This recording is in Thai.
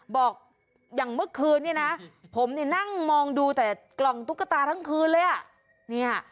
บอกอย่างเมื่อคืนเนี่ยนะผมเนี่ยนั่งมองดูแต่กล่องตุ๊กตาทั้งคืนเลยอ่ะ